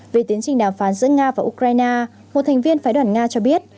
về tiến trình đàm phán giữa nga và ukraine một thành viên phái đoàn nga cho biết